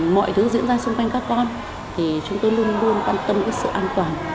mọi thứ diễn ra xung quanh các con thì chúng tôi luôn luôn quan tâm đến sự an toàn